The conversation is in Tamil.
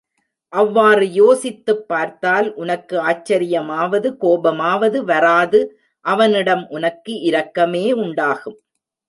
அவ்வாறு யோசித்துப் பார்த்தால், உனக்கு ஆச்சரியமாவது கோபமாவது வராது அவனிடம் உனக்கு இரக்கமே உண்டாகும்.